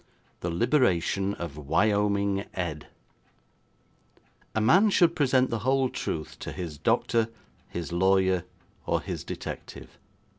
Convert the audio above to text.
The Liberation of Wyoming Ed A man should present the whole truth to his doctor, his lawyer, or his detective.